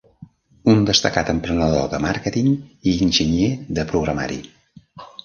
Un destacat emprenedor de màrqueting i enginyer de programari.